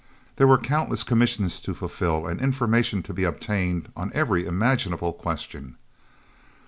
There were countless commissions to fulfil and information to be obtained on every imaginable question.